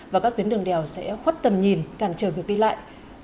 và các tuyến đường đèo sẽ khuất tầm nhìn cản trở việc đi lại